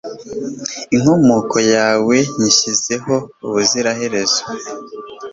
Inkomoko yawe nyishyizeho ubuziraherezo